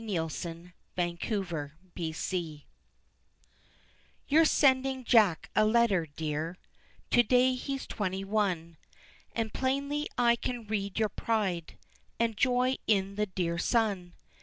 Grannie's Message to Jack You're sending Jack a letter, dear To day he's twenty one, And plainly I can read your pride And joy in the dear son.